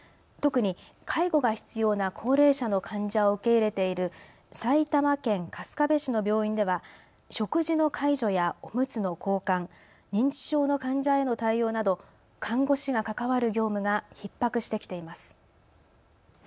特に介護が必要な高齢者の患者を受け入れている埼玉県春日部市の病院では食事の介助やおむつの交換、認知症の患者への対応など看護師が関わる業務がひっ迫してきています。